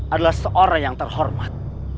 adalah seorang yang terhormat